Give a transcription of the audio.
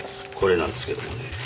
これなんですけどもね。